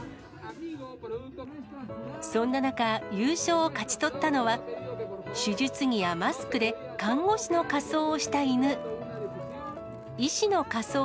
そんな中、優勝を勝ち取ったのは、手術着やマスクで、看護師の仮装をした犬。